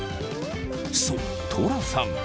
そうトラさん。